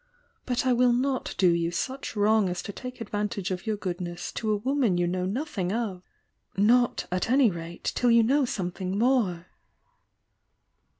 But I will not do you such wrong as to take advantage of your goodness to a woman you know nothing of — ^not, at any rate, till you know some thing more!